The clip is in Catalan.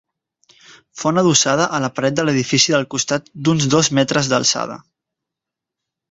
Font adossada a la paret de l'edifici del costat d'uns dos metres d'alçada.